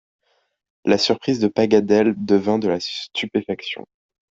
La surprise de Paganel devint de la stupéfaction.